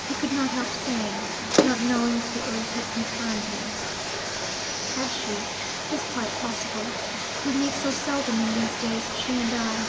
He could not help saying, "Not knowing that the earth had confirmed him." "Has she? It is quite possible. We meet so seldom in these days, she and I.